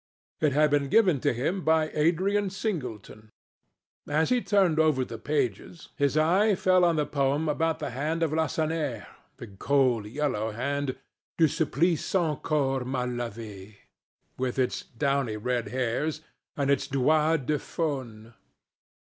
It had been given to him by Adrian Singleton. As he turned over the pages, his eye fell on the poem about the hand of Lacenaire, the cold yellow hand "du supplice encore mal lavée," with its downy red hairs and its "doigts de faune."